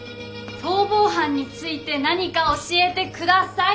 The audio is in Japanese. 逃亡犯について何か教えて下さい！